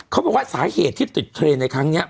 เขาบอกว่าสาเหตุที่ติดเทรนด์ในครั้งนี้